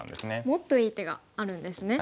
もっといい手があるんですね。